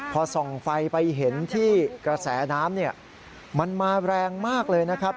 พอส่องไฟไปเห็นที่กระแสน้ำมันมาแรงมากเลยนะครับ